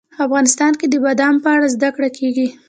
افغانستان کې د بادام په اړه زده کړه کېږي.